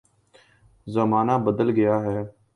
زمانہ بدل گیا ہے۔